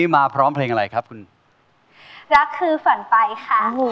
ถ้าพร้อมแล้วขอเชิญพบกับคุณลูกบาท